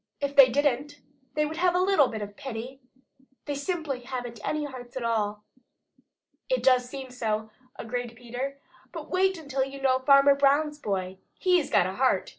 If they didn't, they would have a little bit of pity. They simply haven't any hearts at all." "It does seem so," agreed Peter. "But wait until you know Farmer Brown's boy! HE'S got a heart!"